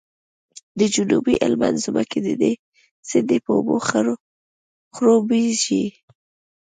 د جنوبي هلمند ځمکې د دې سیند په اوبو خړوبیږي